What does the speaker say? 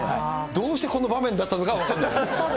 どうしてこの場面だったのかは分からない。